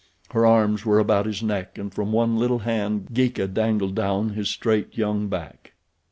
Her arms were about his neck and from one little hand Geeka dangled down his straight young back.